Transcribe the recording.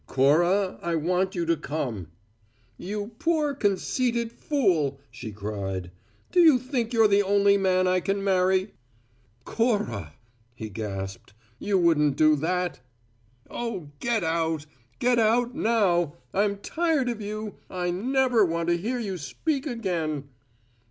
"Cora, I want you to come." "You poor, conceited fool," she cried, "do you think you're the only man I can marry?" "Cora," he gasped, "you wouldn't do that!" "Oh, get out! Get out now! I'm tired of you. I never want to hear you speak again."